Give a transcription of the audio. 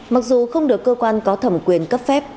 mặc dù không được cơ quan có thẩm quyền cấp phép